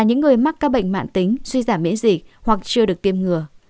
những người mắc các bệnh mạng tính suy giảm miễn dịch hoặc chưa được tiêm ngừa